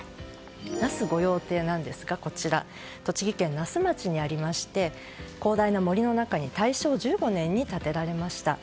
那須御用邸なんですが栃木県那須町にありまして広大な森の中に大正１５年に建てられました。